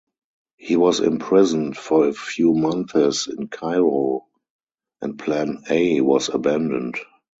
He was imprisoned for a few months in Cairo and Plan A was abandoned.